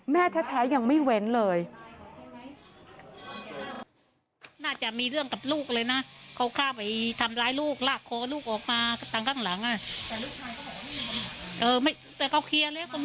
แม่แท้ยังไม่เว้นเลย